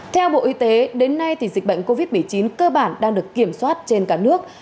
theo bộ y tế đến nay dịch bệnh covid một mươi chín cơ bản đang được kiểm soát trên cả nước